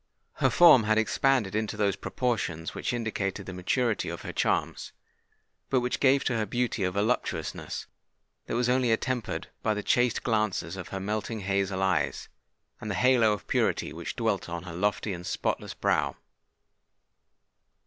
Her form had expanded into those proportions which indicated the maturity of her charms, but which gave to her beauty a voluptuousness that was only attempered by the chaste glances of her melting hazel eyes, and the halo of purity which dwelt on her lofty and spotless brow.